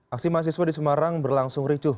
aksi mahasiswa di semarang berlangsung ricuh